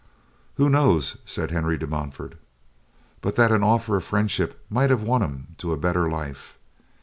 "Who knows," said Henry de Montfort, "but that an offer of friendship might have won him to a better life.